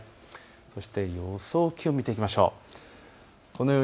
そして予想気温を見ていきましょう。